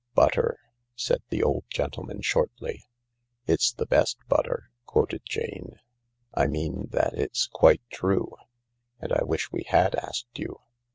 ..." "Butter," said the old gentleman shortly. " It's the best butter," quoted Jane. " I mean that it's quite true ; and I wish we had asked you."